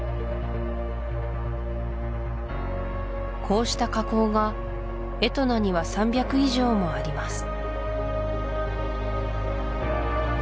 こうした火口がエトナには３００以上もあります